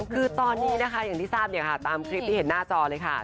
คือตอนนี้นะคะอย่างที่ทราบเนี่ยค่ะตามคลิปที่เห็นหน้าจอเลยค่ะ